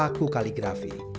dan juga mengaku kaligrafi